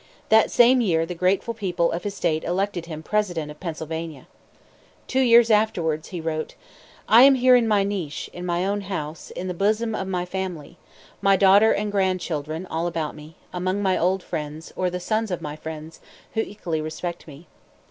That same year the grateful people of his state elected him President of Pennsylvania. Two years afterwards, he wrote: "I am here in my niche in my own house, in the bosom of my family, my daughter and grandchildren all about me, among my old friends, or the sons of my friends, who equally respect me.